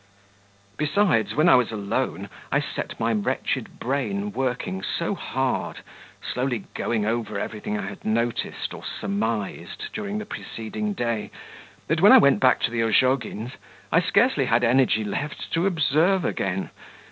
Besides, when I was alone, I set my wretched brain working so hard, slowly going over everything I had noticed or surmised during the preceding day, that when I went back to the Ozhogins' I scarcely had energy left to observe again.